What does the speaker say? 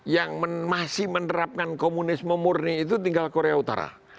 yang masih menerapkan komunisme murni itu tinggal korea utara